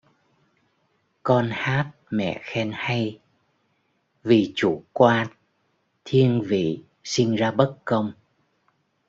Con hát mẹ khen hay: vì chủ quan, thiên vị sinh ra bất công